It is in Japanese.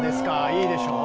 いいでしょう？